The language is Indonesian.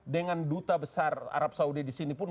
dengan duta besar arab saudi di sini pun